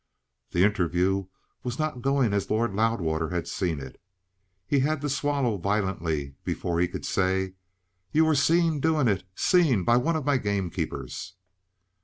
The interview was not going as Lord Loudwater had seen it. He had to swallow violently before he could say: "You were seen doing it! Seen! By one of my gamekeepers!"